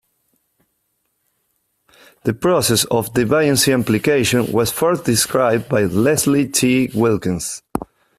The process of deviancy amplication was first described by Leslie T. Wilkins.